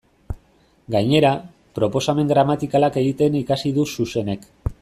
Gainera, proposamen gramatikalak egiten ikasi du Xuxenek.